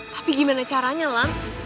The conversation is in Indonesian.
tapi gimana caranya lam